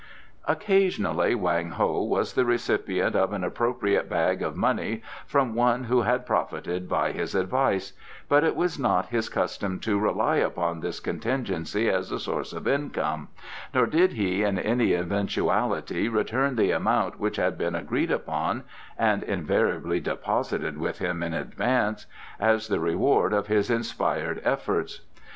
Occasionally Wang Ho was the recipient of an appropriate bag of money from one who had profited by his advice, but it was not his custom to rely upon this contingency as a source of income, nor did he in any eventuality return the amount which had been agreed upon (and invariably deposited with him in advance) as the reward of his inspired efforts.